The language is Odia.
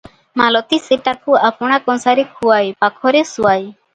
ମାଳତୀ ସେଟାକୁ ଆପଣା କଂସାରେ ଖୁଆଏ, ପାଖରେ ଶୁଆଏ ।